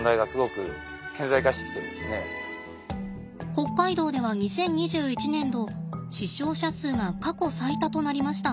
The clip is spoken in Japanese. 北海道では２０２１年度死傷者数が過去最多となりました。